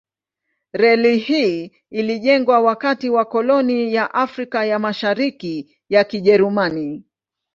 Reli hii ilijengwa wakati wa koloni ya Afrika ya Mashariki ya Kijerumani.